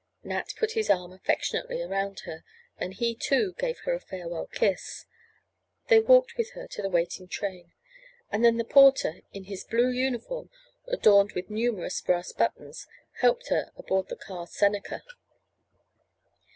Nat put his arm affectionately around her and he, too, gave her a farewell kiss. They walked with her to the waiting train, and then the porter, in his blue uniform, adorned with numerous brass buttons, helped her aboard the car "Seneca."